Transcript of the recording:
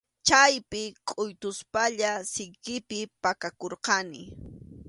Chaypi kʼuytuspalla sikipi pakakurqani.